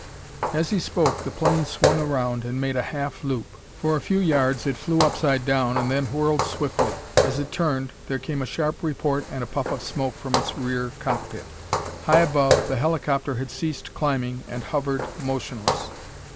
As he spoke the plane swung around and made a half loop. For a few yards it flew upside down and then whirled swiftly. As it turned there came a sharp report and a puff of smoke from its rear cockpit. High above, the helicopter had ceased climbing and hovered motionless.